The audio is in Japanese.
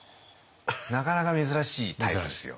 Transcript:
なかなか珍しいタイプですよ。